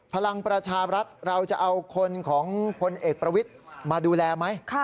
พลังประชารัฐเราจะเอาคนของพลเอกประวิทย์มาดูแลไหม